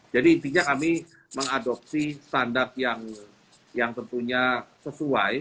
jadi intinya kami mengadopsi standar yang tentunya sesuai